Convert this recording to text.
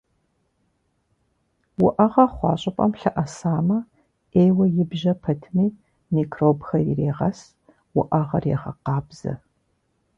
Уӏэгъэ хъуа щӏыпӏэм лъэӏэсамэ, ӏейуэ ибжьэ пэтми, микробхэр ирегъэс, уӏэгъэр егъэкъабзэ.